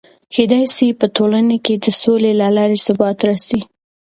کېدای سي په ټولنه کې د سولې له لارې ثبات راسي.